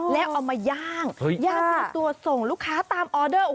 แล้วเอามาย่างย่างที่เอาตัวส่งลูกค้าตามออเดอร์